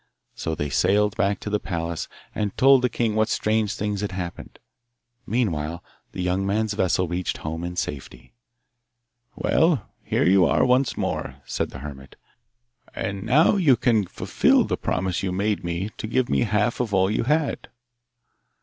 So they sailed back to the palace, and told the king what strange things had happened. Meanwhile the young man's vessel reached home in safety. 'Well, here you are once more' said the hermit; 'and now you can fulfil the promise you made me to give me the half of all you had.